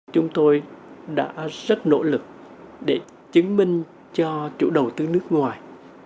chúng tôi đã rất nỗ lực để chứng minh cho chủ đầu tư nước ngoài